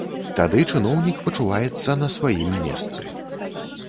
Тады чыноўнік пачуваецца на сваім месцы.